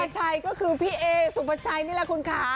ชัยก็คือพี่เอสุภาชัยนี่แหละคุณค่ะ